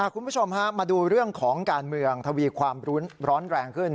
คุณผู้ชมฮะมาดูเรื่องของการเมืองทวีความร้อนแรงขึ้น